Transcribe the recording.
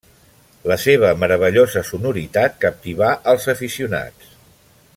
La seva meravellosa sonoritat captivà als aficionats.